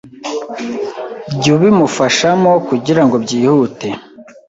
jya ubimufashamo kugirango byihute